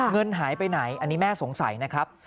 เงินหายไปไหนอันนี้แม่สงสัยนะครับ